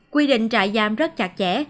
quy định trại giam rất chặt chẽ